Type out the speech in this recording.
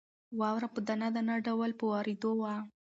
واوره په دانه دانه ډول په وورېدو وه.